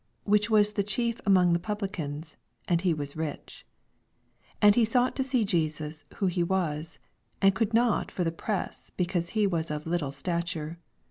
which was the chief among the Publicans, and he was rich. 8 And he sought to see Jesus who he wus ; and could not for the press, because he was little of stature.